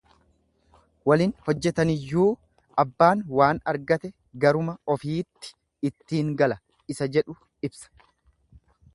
Walin hojjetaniyyuu abbaan waan argate garuma ofiitti ittiin gala isa jedhu ibsa.